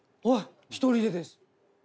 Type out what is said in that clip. １人でです。